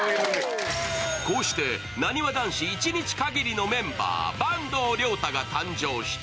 こうして、なにわ男子１日限りのメンバー・坂東龍汰が誕生した。